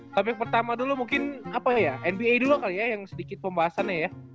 topik pertama dulu mungkin apa ya nba dulu kali ya yang sedikit pembahasannya ya